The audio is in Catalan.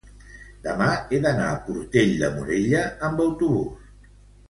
Demà he d'anar a Portell de Morella amb autobús.